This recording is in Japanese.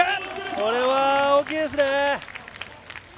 これは大きいですね！